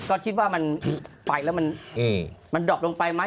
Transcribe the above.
ก็คิดว่ามันไปแล้วมันดอบลงไปไหม